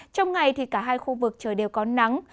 trong ngày thì cả hai khu vực trời đều có nắng